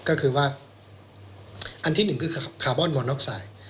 ก็คือว่าอันที่หนึ่งคือคาร์บอนวอน็อกไซด์